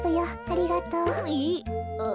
ありがとう。えっ？